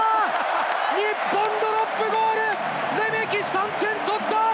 日本、ドロップゴール！レメキ、３点取った！